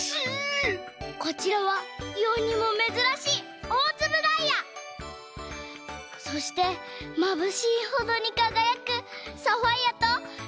こちらはよにもめずらしいおおつぶダイヤ！そしてまぶしいほどにかがやくサファイアとルビー。